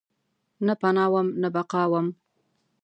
نه پناه وم ، نه بقاوم